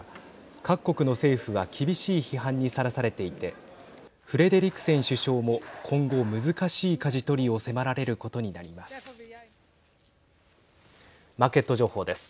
各国の政府は厳しい批判にさらされていてフレデリクセン首相も今後、難しいかじ取りを迫られることになります。